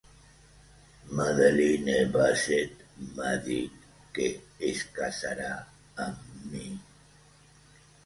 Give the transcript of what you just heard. Madeline Bassett m'ha dit que es casarà amb mi!